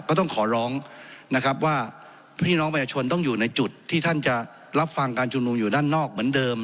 ก็ต้องขอร้องนะครับว่าพี่น้องประชาชนต้องอยู่ในจุดที่ท่านจะรับฟังการชุมนุมอยู่ด้านนอกเหมือนเดิม